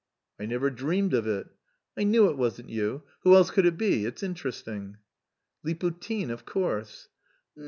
"I never dreamed of it!" "I knew it wasn't you. Who else could it be? It's interesting." "Liputin, of course."